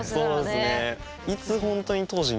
そうですね。